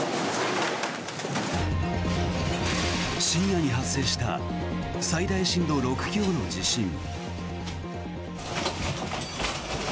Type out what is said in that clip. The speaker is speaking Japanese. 深夜に発生した最大震度６強の地震。